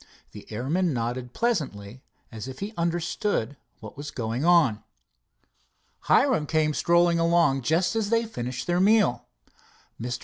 The airman nodded pleasantly, as if he understood what was going on. Hiram came strolling along just as they finished their meal. Mr.